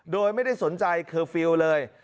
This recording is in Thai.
โดยไม่ได้สนใจเคอร์ฟิลล์เลย